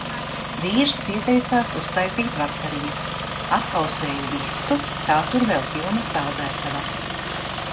Vīrs pieteicās uztaisīt vakariņas. Atkausēju vistu, tā tur vēl pilna saldētava.